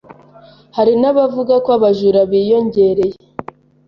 Hari n’abavuga ko abajura biyongereye